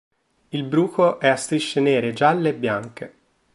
Il bruco è a strisce nere, gialle e bianche.